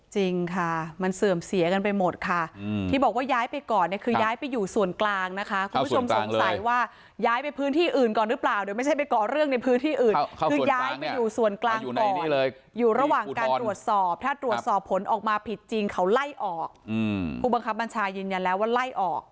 จริงค่ะมันเสื่อมเสียกันไปหมดค่ะที่บอกว่าย้ายไปก่อนเนี่ยคือย้ายไปอยู่ส่วนกลางนะคะคุณผู้ชมสงสัยว่าย้ายไปพื้นที่อื่นก่อนหรือเปล่าเดี๋ยวไม่ใช่ไปก่อเรื่องในพื้นที่อื่นคือย้ายไปอยู่ส่วนกลางก่อนอยู่ระหว่างการตรวจสอบถ้าตรวจสอบผลออกมาผิดจริงเขาไล่ออกผู้บังคับบัญชายืนยันแล้วว่าไล่ออก